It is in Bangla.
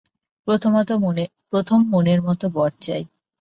প্রথম মনের মত বর চাই।